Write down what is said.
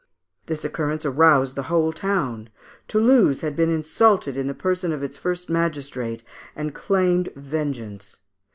This occurrence aroused the whole town. Toulouse had been insulted in the person of its first magistrate, and claimed vengeance.